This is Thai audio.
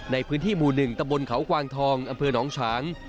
ในพื้นที่หมู่๑ตะบนเขากวางทองอำเภอหนองฉาง